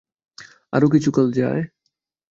আরো কিছুকাল যায়।